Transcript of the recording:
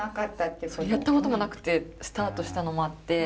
やったこともなくてスタートしたのもあって。